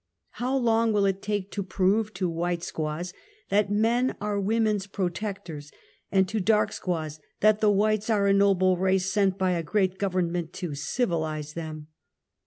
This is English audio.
How long will it take to prove to white squaws that "men are women's protec /tors," and to dark squaws that the whites are a noble .race sent by a great government to "civilize them."